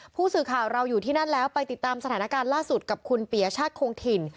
ผู้สื่อข่าวเราอยู่ที่นั่นแล้วไปติดตามสถานการณ์ล่าสุดกับคุณปียชาติคงถิ่น